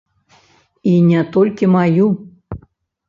І не толькі маю.